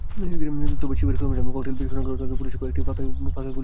তবে শিবির কর্মীরা ককটেল বিস্ফোরণ ঘটালে পুলিশ কয়েকটি ফাঁকা গুলি ছোড়ে।